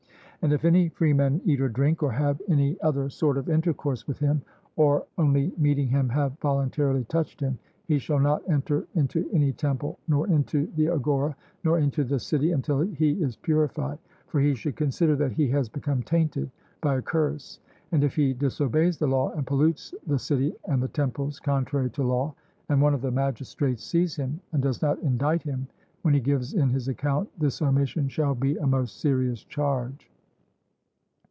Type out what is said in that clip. And if any freeman eat or drink, or have any other sort of intercourse with him, or only meeting him have voluntarily touched him, he shall not enter into any temple, nor into the agora, nor into the city, until he is purified; for he should consider that he has become tainted by a curse. And if he disobeys the law, and pollutes the city and the temples contrary to law, and one of the magistrates sees him and does not indict him, when he gives in his account this omission shall be a most serious charge.